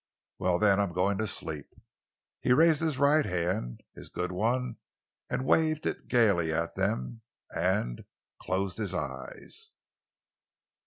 "Well, then, I'm going to sleep." He raised his right hand—his good one—and waved it gayly at them—and closed his eyes.